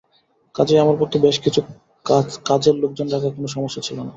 কাজেই আমার পক্ষে বেশ কিছু কাজের লোকজন রাখা কোনো সমস্যা ছিল না।